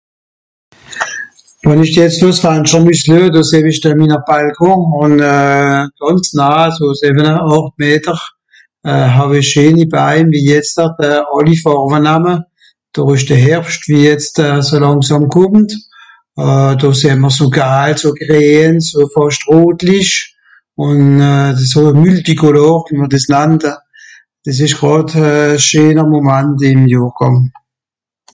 Quand je regarde par la fenêtre je vous mon balcon, et à 6/8 mètres il y a de beaux arbres qui prennent toutes les couleurs du fait de l'automne qui arrive tout doucement Il y a du jaune, de vert du rouge, c'est multicolore et c'est un beau moment en cette saison